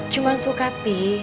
cuma suka pi